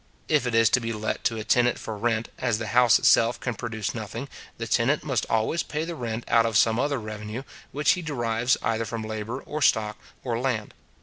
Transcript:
If it is to be let to a tenant for rent, as the house itself can produce nothing, the tenant must always pay the rent out of some other revenue, which he derives, either from labour, or stock, or land.